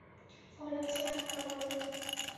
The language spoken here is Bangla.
ফলের চেয়ে আত্মা বড়ো।